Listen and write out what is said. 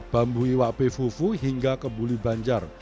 bambu iwak befufu hingga kebuli banjar